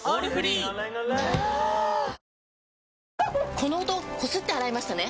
この音こすって洗いましたね？